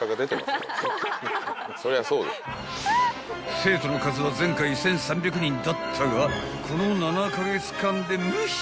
［生徒の数は前回１，３００人だったがこの７カ月間でむひゃ！